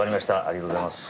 ありがとうございます。